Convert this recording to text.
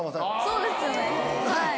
そうですよねはい。